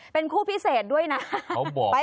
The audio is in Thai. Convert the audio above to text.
เป็นคู่พิเศษด้วยนะฮะไปค่ะเขาบอกว่า